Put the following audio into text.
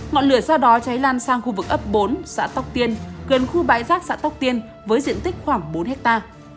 ngọn lửa sau đó cháy lan sang khu vực ấp bốn xã tóc tiên gần khu bãi rác xã tóc tiên với diện tích khoảng bốn hectare